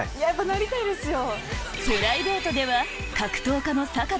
なりたいですよ！